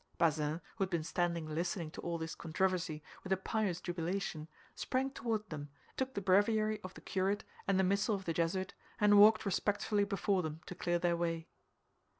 Bazin, who had been standing listening to all this controversy with a pious jubilation, sprang toward them, took the breviary of the curate and the missal of the Jesuit, and walked respectfully before them to clear their way.